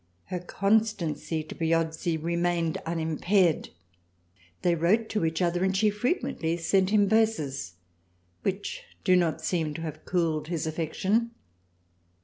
Her constancy to Piozzi remained unimpaired. They wrote to each other and she frequently sent him 38 THRALIANA verses which do not seem to have cooled his affection.